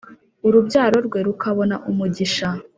Urubyaro rwe rukabona umugisha